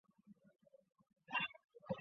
又有出羽富士的别称。